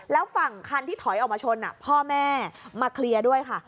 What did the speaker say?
แล้วฝั่งคันที่ถอยออกมาชนพ่อแม่มาเคลียร์ด้วยค่ะ